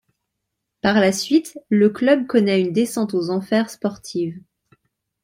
Par la suite, le club connaît une descente aux enfers sportive.